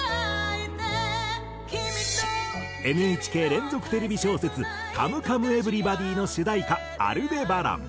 ＮＨＫ連続テレビ小説『カムカムエヴリバディ』の主題歌『アルデバラン』。